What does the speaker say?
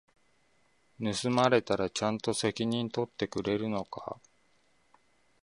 盗まれたらちゃんと責任取ってくれるのか？